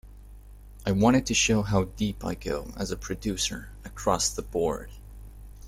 I wanted to show how deep I go as a producer across the board.